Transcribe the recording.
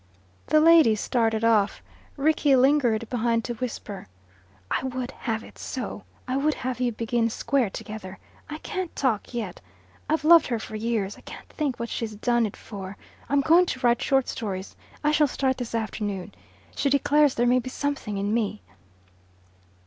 The ladies started off. Rickie lingered behind to whisper, "I would have it so. I would have you begin square together. I can't talk yet I've loved her for years can't think what she's done it for. I'm going to write short stories. I shall start this afternoon. She declares there may be something in me."